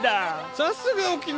さすが沖縄。